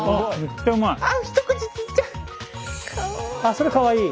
あっそれかわいい！